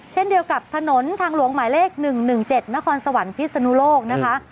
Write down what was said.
เช่นเดียวกับถนนทางหลวงหมายเลข๑๑๗นครสวรรค์พิศนุโลกนะคะ